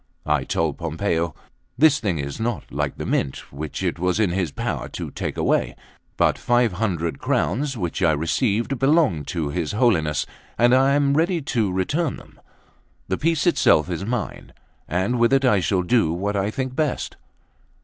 I told Pompeo: "This thing is not like the Mint, which it was in his power to take away; but five hundred crowns which I received belong to his Holiness, and I am ready to return them; the piece itself is mine, and with it I shall do what I think best."